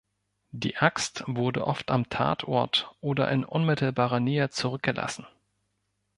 Die Axt wurde oft am Tatort oder in unmittelbarer Nähe zurückgelassen.